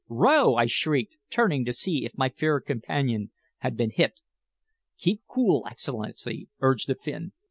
"Row!" I shrieked, turning to see if my fair companion had been hit. "Keep cool, Excellency," urged the Finn.